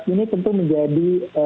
ini tentu menjadi